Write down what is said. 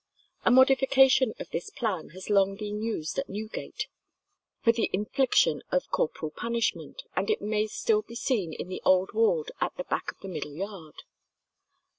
A modification of this plan has long been used at Newgate for the infliction of corporal punishment, and it may still be seen in the old ward at the back of the middle yard.